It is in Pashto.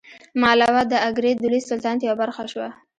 مالوه د اګرې د لوی سلطنت یوه برخه شوه.